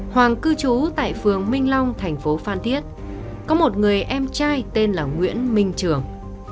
hoàng cư trú tại phường minh long thành phố phan thiết có một người em trai tên là nguyễn minh trường